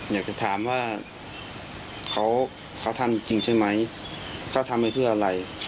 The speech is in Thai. อยากจะถามว่าเขาทำจริงใช่ไหมเขาทำไปเพื่ออะไร